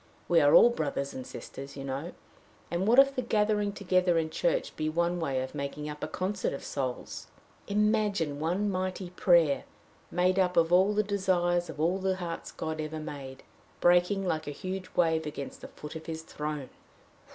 We are all brothers and sisters, you know and what if the gathering together in church be one way of making up a concert of souls? Imagine one mighty prayer, made up of all the desires of all the hearts God ever made, breaking like a huge wave against the foot of his throne!"